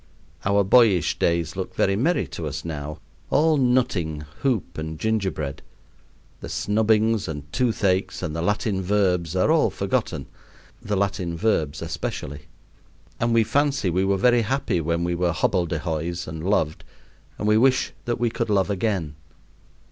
Our boyish days look very merry to us now, all nutting, hoop, and gingerbread. The snubbings and toothaches and the Latin verbs are all forgotten the Latin verbs especially. And we fancy we were very happy when we were hobbledehoys and loved; and we wish that we could love again.